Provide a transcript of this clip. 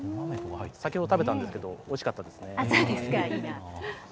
先ほど食べたんですがおいしかったです。